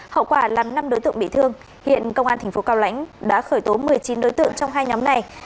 hậu quả làm năm đối tượng bị thương hiện công an tp cao lãnh đã khởi tố một mươi chín đối tượng trong hai nhóm này